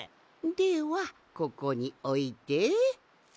ではここにおいて。